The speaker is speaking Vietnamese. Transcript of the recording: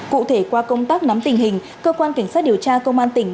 cụ thể qua công tác nắm tình hình cơ quan cảnh sát điều tra công an tỉnh